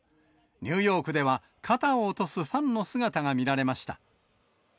ニューヨークでは肩を落とすファンの姿が見られました。